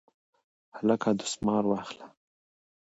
هلکه دستمال واخله